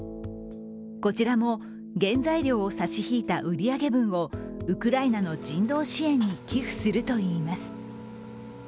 こちらも、原材料を差し引いた売り上げ分をウクライナの人道支援に寄付するといいます。